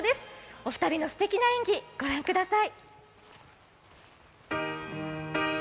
お二人のすてきな演技御覧ください。